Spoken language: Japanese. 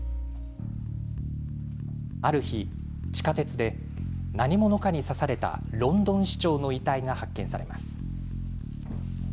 ある日、地下鉄で何者かに刺されたロンドン市長の遺体が発見されます。